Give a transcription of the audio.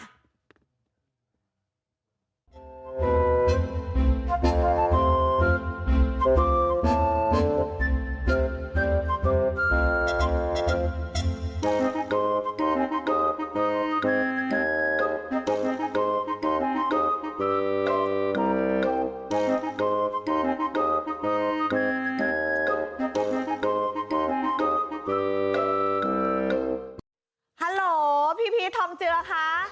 ฮัลโหลพี่พีชทองเจือคะ